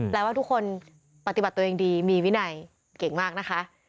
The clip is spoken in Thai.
แล้วว่าทุกคนปฏิบัติตัวเองดีมีวินัยเก่งมากนะคะ